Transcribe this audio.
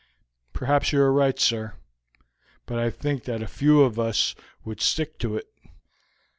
"Perhaps you are right, sir; but I think that a few of us would stick to it."